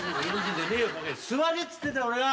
座れっつってんだ俺が。